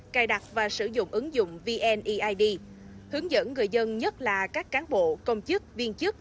cài đặt và sử dụng ứng dụng vneid hướng dẫn người dân nhất là các cán bộ công chức viên chức